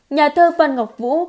nhà thơ phan ngọc vũ